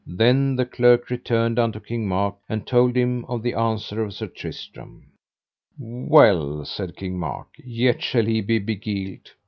Then the clerk returned unto King Mark, and told him of the answer of Sir Tristram. Well, said King Mark, yet shall he be beguiled.